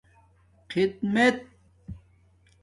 خدمݵت